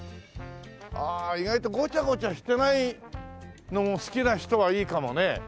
ああ意外とごちゃごちゃしてないのを好きな人はいいかもね。